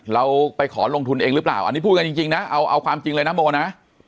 เราไปขอลงทุนเองหรือเปล่าอันนี้พูดกันจริงนะเอาความจริงเลยนะโมนะ